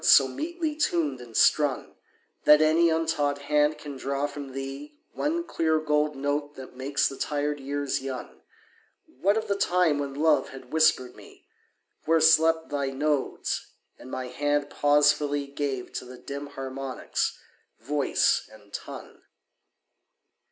so metely tuned and strung That any untaught hand can draw from thee One clear gold note that makes the tired years young What of the time when Love had whispered me Where slept thy nodes, and my hand pausefully Gave to the dim harmonics voice and tongue?